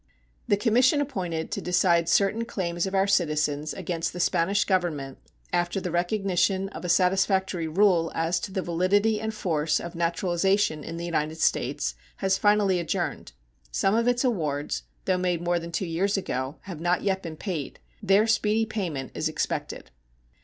The commission appointed to decide certain claims of our citizens against the Spanish Government, after the recognition of a satisfactory rule as to the validity and force of naturalization in the United States, has finally adjourned. Some of its awards, though made more than two years ago, have not yet been paid. Their speedy payment is expected.